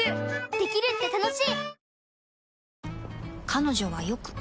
できるって楽しい！